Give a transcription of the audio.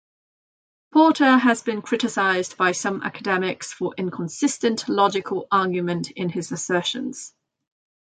Porter has been criticized by some academics for inconsistent logical argument in his assertions.